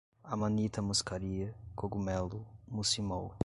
amanita muscaria, cogumelo, muscimol